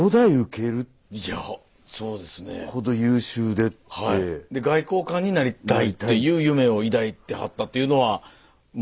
で外交官になりたいっていう夢を抱いてはったっていうのは。